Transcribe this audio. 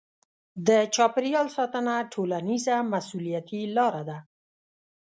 د چاپیریال ساتنه ټولنیزه مسوولیتي لاره ده.